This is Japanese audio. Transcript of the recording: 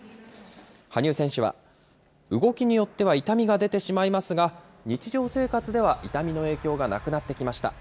羽生選手は、動きによっては痛みが出てしまいますが、日常生活では痛みの影響がなくなってきました。